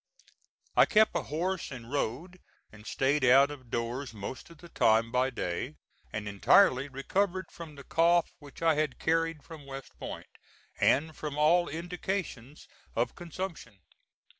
I kept a horse and rode, and staid out of doors most of the time by day, and entirely recovered from the cough which I had carried from West Point, and from all indications of consumption.